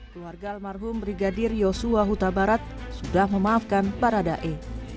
keluarga almarhum brigadir yosua huta barat sudah memaafkan baradae